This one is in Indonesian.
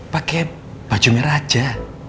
pakai baju merah aja